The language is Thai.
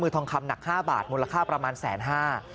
ทองคำหนัก๕บาทมูลค่าประมาณแสนห้า